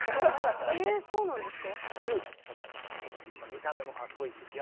えそうなんですか？